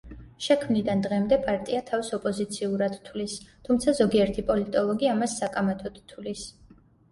შექმნიდან დღემდე პარტია თავს ოპოზიციურად თვლის, თუმცა ზოგიერთი პოლიტოლოგი ამას საკამათოდ თვლის.